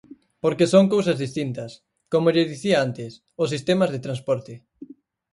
Porque son cousas distintas, como lle dicía antes, os sistemas de transporte.